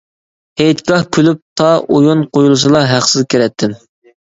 «ھېيتگاھ كۇلۇب» تا ئويۇن قويۇلسىلا ھەقسىز كىرەتتىم.